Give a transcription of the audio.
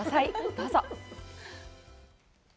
どうぞ。